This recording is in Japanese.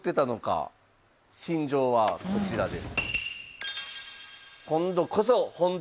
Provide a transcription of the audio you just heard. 心情はこちらです。